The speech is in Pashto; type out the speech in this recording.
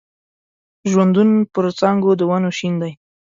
ژوندون پر څانګو د ونو شین دی